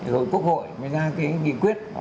rồi quốc hội mới ra nghị quyết